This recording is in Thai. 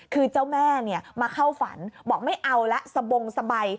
คือเจ้าแม่มาเข้าฝันบอกไม่เอาแล้วสบงสบาย